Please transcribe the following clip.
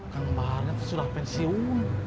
kang baharnya sudah pensiun